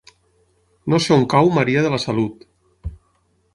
No sé on cau Maria de la Salut.